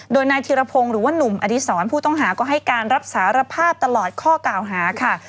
โดยนายธิรพงศ์หรือว่านุ่มอดีศรผู้ต้องหาก็ให้การรับสารภาพตลอดข้อกล่าวหาค่ะ